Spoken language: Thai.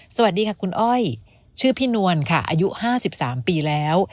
สวัสดีค่ะคุณอ้อยชื่อพี่นวลค่ะอายุ๕๓ปีแล้ว